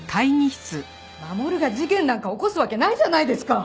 マモルが事件なんか起こすわけないじゃないですか！